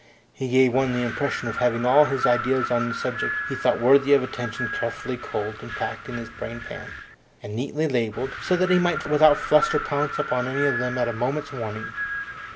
He gave one the impression of having all his ideas on the subjects he thought worthy of attention carefully culled and packed in his brain pan, and neatly labelled, so that he might without fluster pounce upon any of them at a moment's warning.